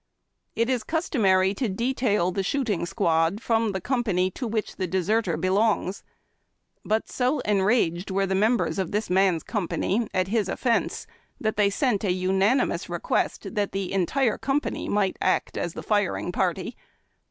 It is customary to detail the shooting squad from the company to which the deserter belongs. But so enraged were the mem bers of this man's company at his offence that they sent a OFFENCES AND PUNISHMENTS. 101 unanimous request tliat the entire company might act as firing party.